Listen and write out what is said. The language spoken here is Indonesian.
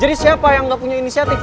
siapa yang gak punya inisiatif